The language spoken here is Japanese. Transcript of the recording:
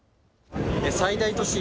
最大都市